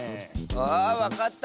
あわかった。